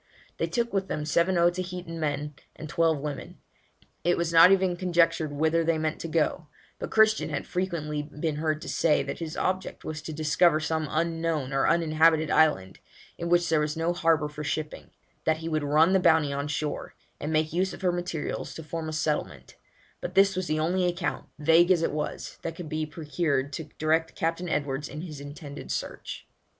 They took with them seven Otaheitan men and twelve women. It was not even conjectured whither they meant to go; but Christian had frequently been heard to say, that his object was to discover some unknown or uninhabited island, in which there was no harbour for shipping; that he would run the Bounty on shore, and make use of her materials to form a settlement; but this was the only account, vague as it was, that could be procured to direct Captain Edwards in his intended search.